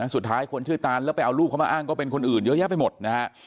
คนชื่อตานแล้วไปเอาลูกเขามาอ้างก็เป็นคนอื่นเยอะแยะไปหมดนะฮะ